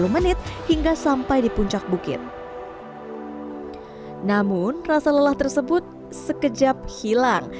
menit hingga sampai di puncak bukit namun rasa lelah tersebut sekejap hilang